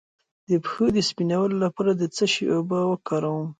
د پښو د سپینولو لپاره د څه شي اوبه وکاروم؟